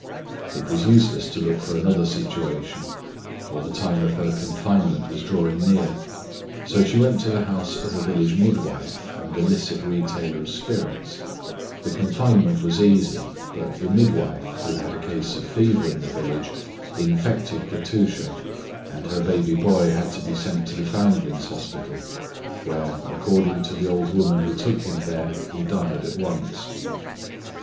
It was useless to look for another situation, for the time of her confinement was drawing near, so she went to the house of a village midwife, who also sold wine. The confinement was easy; but the midwife, who had a case of fever in the village, infected Katusha, and her baby boy had to be sent to the foundlings' hospital, where, according to the words of the old woman who took him there, he at once died.